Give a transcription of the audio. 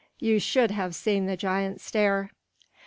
You should have seen the giant stare.